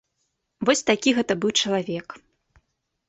Вось такі гэта быў чалавек.